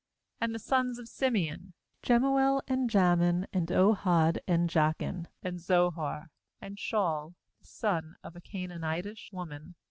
10And the sons of Simeon: Jemuel, and Jamin, and Ohad, and Jachin, and Zohar, and Shaul the son of a Canaanitish woman.